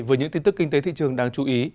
với những tin tức kinh tế thị trường đáng chú ý